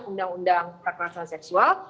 undang undang kekerasan seksual